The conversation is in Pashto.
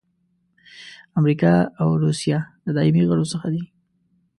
امریکا او روسیه د دایمي غړو څخه دي.